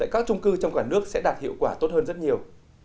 các trung cư trong cả nước sẽ đạt hiệu quả tốt hơn rất nhiều